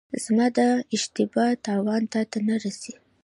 زما د اشتبا تاوان تاته نه رسي.